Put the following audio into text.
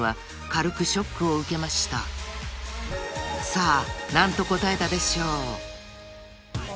［さあ何と答えたでしょう？］